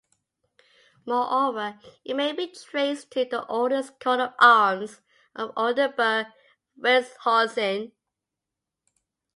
Moreover, it may be traced to the oldest coat of arms of Oldenburg-Wildeshausen.